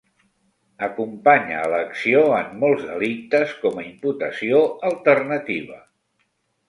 Acompanya l'acció en molts delictes com a imputació alternativa.